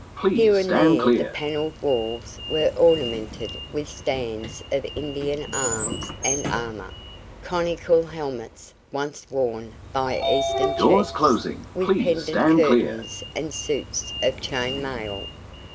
Here and there the panelled walls were ornamented with stands of Indian arms and armour, conical helmets, once worn by Eastern chiefs, with pendent curtains, and suits of chain mail.